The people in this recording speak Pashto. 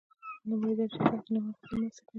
د لومړۍ درجې تقدیرنامې اخیستل مرسته کوي.